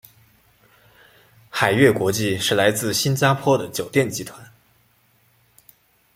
海悦国际是来自新加坡的酒店集团。